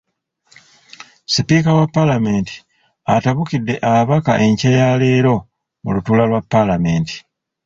Sipiika wa Palamenti, atabukidde ababaka enkya ya leero mu lutuula lwa Paalamenti.